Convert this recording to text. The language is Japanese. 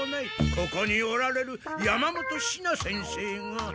ここにおられる山本シナ先生が。